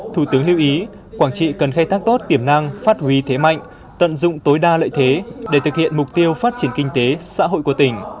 thủ tướng lưu ý quảng trị cần khai thác tốt tiềm năng phát huy thế mạnh tận dụng tối đa lợi thế để thực hiện mục tiêu phát triển kinh tế xã hội của tỉnh